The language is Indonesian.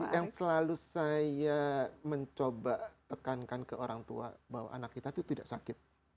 yang selalu saya mencoba tekankan ke orang tua bahwa anak kita itu tidak sakit